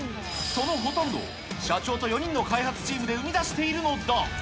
そのほとんどを社長と４人の開発チームで生み出しているのだ。